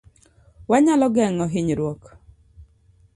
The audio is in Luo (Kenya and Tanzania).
Wanyalo geng'o hinyruok